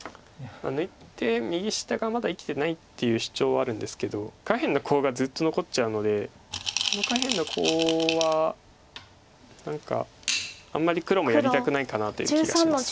抜いて右下がまだ生きてないっていう主張はあるんですけど下辺のコウがずっと残っちゃうのでこの下辺のコウは何かあんまり黒もやりたくないかなという気がします。